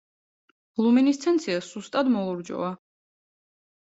ლუმინესცენცია სუსტად მოლურჯოა.